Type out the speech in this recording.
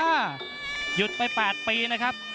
นักมวยจอมคำหวังเว่เลยนะครับ